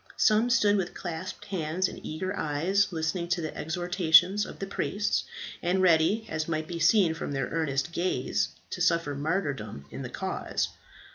Some stood with clasped hands and eager eyes listening to the exhortations of the priests, and ready, as might be seen from their earnest gaze, to suffer martyrdom in the cause.